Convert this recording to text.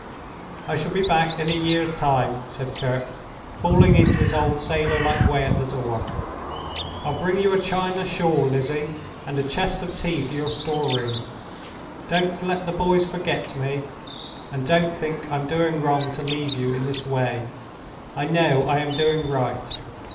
"I shall be back in a year's time," said Kirke, falling into his old sailor like way at the door. "I'll bring you a China shawl, Lizzie, and a chest of tea for your store room. Don't let the boys forget me, and don't think I'm doing wrong to leave you in this way. I know I am doing right.